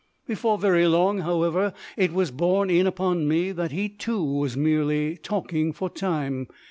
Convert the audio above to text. Before very long, however, it was borne in upon me that he too was merely talking for time.